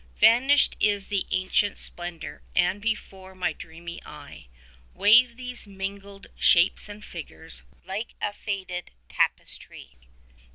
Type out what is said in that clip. Vanished is the ancient splendour, and before my dreamy eye 45 Wave these mingled shapes and figures, like a faded tapestry.